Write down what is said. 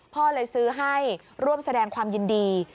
พ่อเลยซื้อให้ร่วมแสดงความยินดี